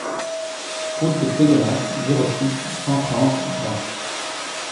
Route de Pégomas, zéro six, cent trente Grasse